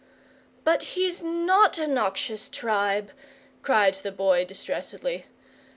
"But he's NOT a noxious tribe," cried the Boy distressedly.